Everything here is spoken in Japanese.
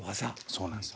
そうなんですよ。